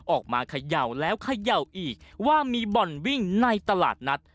มาเขย่าแล้วเขย่าอีกว่ามีบ่อนวิ่งในตลาดนัด